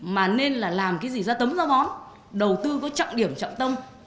mà nên là làm cái gì ra tấm giá bón đầu tư có trọng điểm trọng tâm